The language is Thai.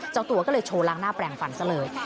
เจ้าตัวก็เลยโชว์ล้างหน้าแปลงฟันซะเลย